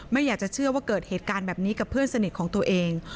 ไม่อยากจะเชื่อว่าเกิดเหตุการณ์แบบนี้กับเพื่อนสนิทของตัวเอง